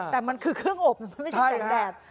แต่มันคือเครื่องอบไม่ใช่แดด